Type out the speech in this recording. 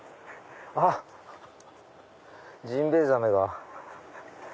あっジンベエザメが。